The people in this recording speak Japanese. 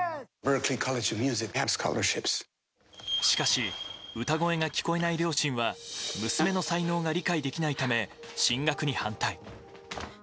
しかし歌声が聞こえない両親は娘の才能が理解できないため進学に反対。